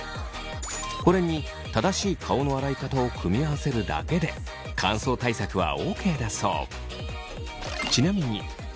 これに正しい顔の洗い方を組み合わせるだけで乾燥対策はＯＫだそう。